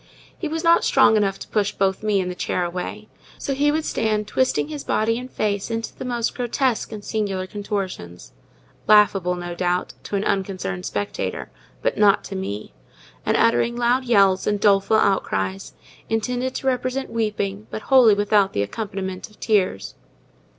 He was not strong enough to push both me and the chair away, so he would stand twisting his body and face into the most grotesque and singular contortions—laughable, no doubt, to an unconcerned spectator, but not to me—and uttering loud yells and doleful outcries, intended to represent weeping but wholly without the accompaniment of tears.